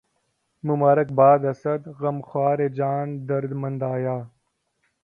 مبارک باد اسد، غمخوارِ جانِ درد مند آیا